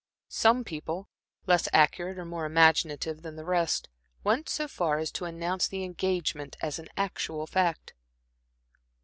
Some people, less accurate or more imaginative than the rest, went so far as to announce the engagement as an actual fact.